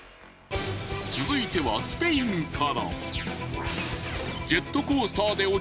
続いてはスペインから。